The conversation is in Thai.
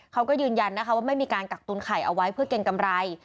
เขาก็ยืนยันนะคะว่าไม่มีการกักตุนไข่เอาไว้เพื่อเก็งกำไร